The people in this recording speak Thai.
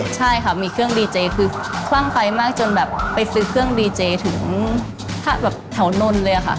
ใช่ค่ะมีเครื่องดีเจคือคลั่งใครมากจนแบบไปซื้อเครื่องดีเจถึงแบบแถวนนท์เลยค่ะ